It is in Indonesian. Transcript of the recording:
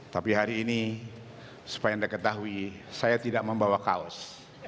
tapi hari ini supaya anda ketahui saya tidak membawa kaos